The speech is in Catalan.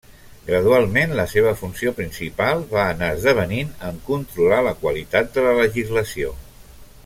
Gradualment la seva funció principal va anar esdevenint en controlar la qualitat de la legislació.